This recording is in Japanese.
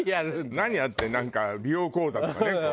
何やってなんか美容講座とかねこう。